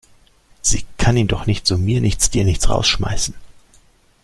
Sie kann ihn doch nicht so mir nichts, dir nichts rausschmeißen!